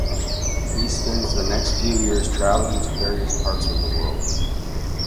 He spent the next few years traveling to various parts of the world.